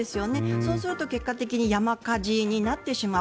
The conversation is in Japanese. そうすると、結果的に山火事になってしまう。